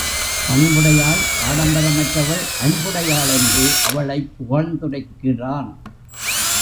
பணிவுடையாள், ஆடம்பரமற்றவள், அன்புடையாள் என்று அவளைப் புகழ்ந்துரைக்கிறான்.